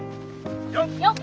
よっ！